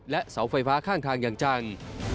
เสาไฟฟ้าข้างทางอย่างจัง